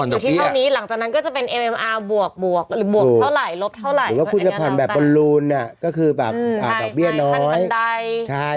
อยู่ที่เท่านี้หลังจากนั้นก็จะเป็นเอ็มอาร์บวกบวกหรือบวกเท่าไหร่ลบเท่าไหร่แล้วคุณจะผ่อนแบบบอลลูนเนี่ยก็คือแบบดอกเบี้ยน้อยขั้นบันไดใช่